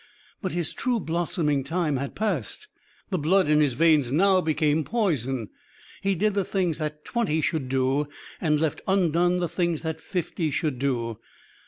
But his true blossoming time had passed. The blood in his veins now became poison. He did the things that twenty should do, and left undone the things that fifty should do.